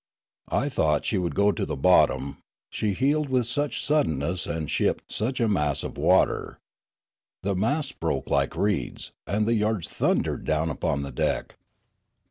I thought she would go to the bottom, she heeled with such suddenness and shipped such Broolyi 3^1 a mass of water. The masts broke like reeds, and the yards thundered down upon the deck.